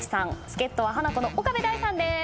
助っ人はハナコの岡部大さんです。